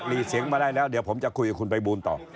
มีเสียงมาได้แล้วเดี๋ยวผมจะคุยกับคุณภัยบูลต่อ